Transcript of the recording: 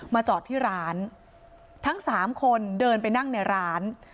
จอดที่ร้านทั้งสามคนเดินไปนั่งในร้าน